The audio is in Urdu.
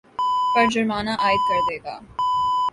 پر جرمانہ عاید کردے گا